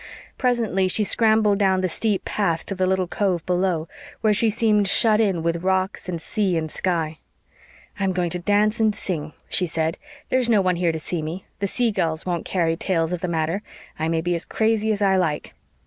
Presently she scrambled down the steep path to the little cove below, where she seemed shut in with rocks and sea and sky. "I'm going to dance and sing," she said. "There's no one here to see me the seagulls won't carry tales of the matter. I may be as crazy as I like."